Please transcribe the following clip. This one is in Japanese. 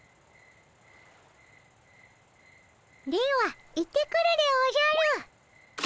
では行ってくるでおじゃる。